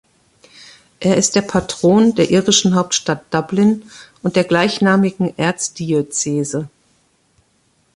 Er ist der Patron der irischen Hauptstadt Dublin und der gleichnamigen Erzdiözese.